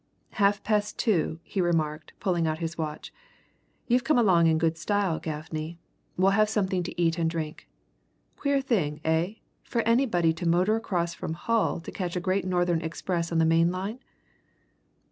"Half past two," he remarked, pulling out his watch. "You've come along in good style, Gaffney. We'll have something to eat and drink. Queer thing, eh, for anybody to motor across from Hull to catch a Great Northern express on the main line!"